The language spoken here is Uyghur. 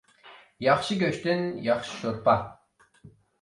ياخشى گۆشتىن ياخشى شورپا.